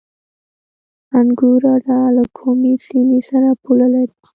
انګور اډه له کومې سیمې سره پوله لري؟